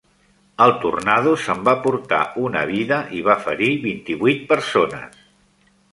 El tornado s'en va portar una vida i va ferir vint-i-vuit persones.